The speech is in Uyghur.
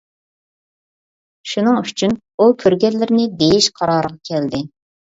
شۇنىڭ ئۈچۈن ئۇ كۆرگەنلىرىنى دېيىش قارارىغا كەلدى.